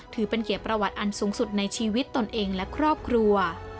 ถือเป็นเกียรติประวัติอันสูงสุดในชีวิตตนเองและครอบครัว